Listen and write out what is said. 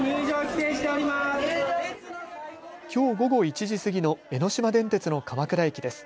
きょう午後１時過ぎの江ノ島電鉄の鎌倉駅です。